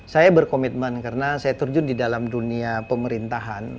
saya berkomitmen karena saya terjun di dalam dunia pemerintahan